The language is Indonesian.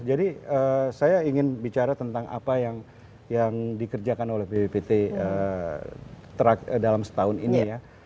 jadi saya ingin bicara tentang apa yang dikerjakan oleh bppt dalam setahun ini